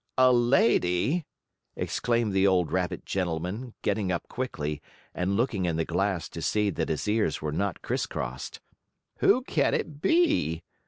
"A lady?" exclaimed the old rabbit gentleman, getting up quickly, and looking in the glass to see that his ears were not criss crossed. "Who can it be?"